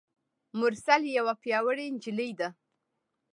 مرسل یوه پیاوړي نجلۍ ده.